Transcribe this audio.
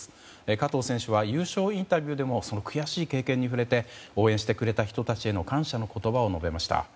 加藤選手は優勝インタビューでもその悔しい経験に触れて応援してくれた人たちへの感謝の言葉を述べました。